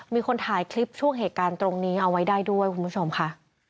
มีคนถ่ายคลิปช่วงเหตุการณ์ตรงนี้เอาไว้ได้ด้วยคุณผู้ชมค่ะ